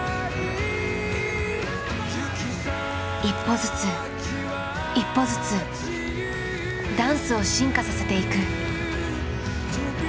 １歩ずつ１歩ずつダンスを進化させていく。